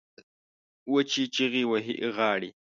وچې چیغې وهي غاړې